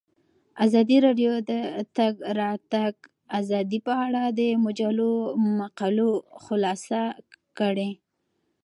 ازادي راډیو د د تګ راتګ ازادي په اړه د مجلو مقالو خلاصه کړې.